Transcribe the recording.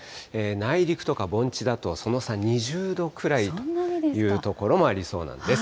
内陸とか盆地だと、その差２０度くらいという所もありそうなんです。